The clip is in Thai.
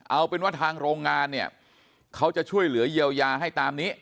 เอาเป็นว่าทางโรงงานเนี่ยเขาจะช่วยเหลือเยียวยาให้ตามนี้